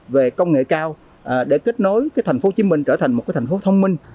về công nghệ cao để kết nối thành phố hồ chí minh trở thành một thành phố thông minh